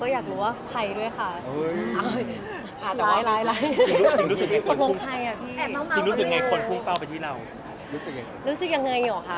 หล่างมากเบอย่างค่ะ